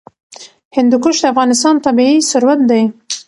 هندوکش د افغانستان طبعي ثروت دی.